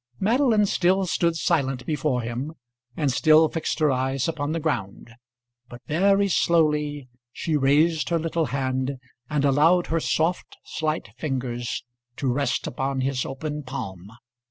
Madeline still stood silent before him and still fixed her eyes upon the ground, but very slowly she raised her little hand and allowed her soft slight fingers to rest upon his open palm.